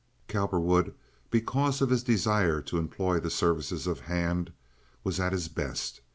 Cowperwood, because of his desire to employ the services of Hand, was at his best.